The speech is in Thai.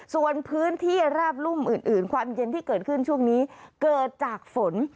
ส่วนพื้นที่ราบรุ่มอื่นความเย็นที่เกิดขึ้นช่วงนี้เกิดจากฝน